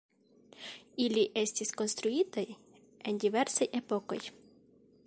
Ili estis konstruitaj en diversaj epokoj.